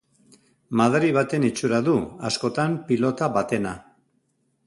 Madari baten itxura du, askotan pilota batena.